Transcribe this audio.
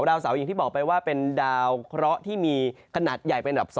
ดาวเสาอย่างที่บอกไปว่าเป็นดาวเคราะห์ที่มีขนาดใหญ่เป็นอันดับ๒